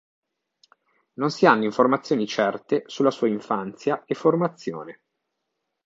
Non si hanno informazioni certe sulla sua infanzia e formazione.